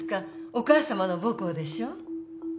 お母さまの母校でしょ？